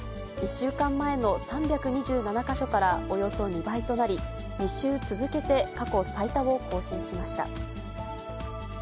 １週間前の３２７か所からおよそ２倍となり、２週続けて過去最多を更新しました。